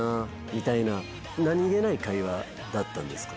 みたいな何げない会話だったんですか？